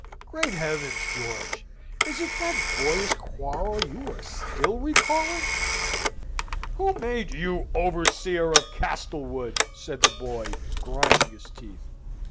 "Great heavens, George! is it that boyish quarrel you are still recalling?" "Who made you the overseer of Castlewood?" said the boy, grinding his teeth.